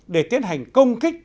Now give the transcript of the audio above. để tiến hành công kích